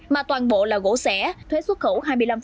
mà toàn bộ là gỗ xẻ thuế xuất khẩu hai mươi năm